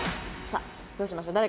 さあどうしましょう？